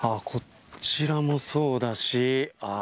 こちらもそうだし。